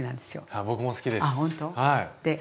僕も好きです。